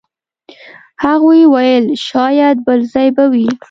هغوی ویل شاید بل ځای به وئ.